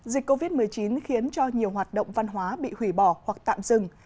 dịch covid một mươi chín khiến cho nhiều hoạt động văn hóa bị hủy bỏ hoặc tạm dừng